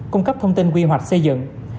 cung cấp thông tin quy hoạch xây dựng